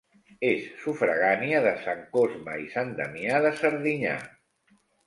És sufragània de Sant Cosme i Sant Damià de Serdinyà.